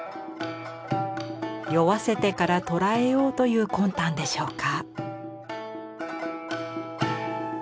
酔わせてから捕らえようという魂胆でしょうか。